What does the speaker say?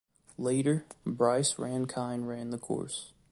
Later, Bryce Rankine ran the course.